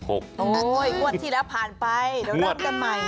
โอ้ยงวดที่แล้วผ่านไปเดี๋ยวลาบกันใหม่